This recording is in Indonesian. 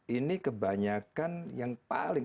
ini kebanyakan yang paling